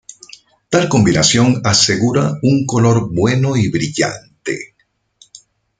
Tal combinación asegura un color bueno y brillante.